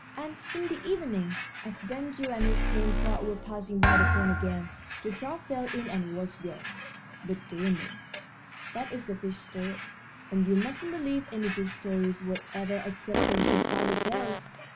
And in the evening, as Ben Gile and his tame trout were passing by the pond again, the trout fell in and was drowned. But, dear me, that is a fish story, and you mustn't believe any fish stories whatever except those your father tells!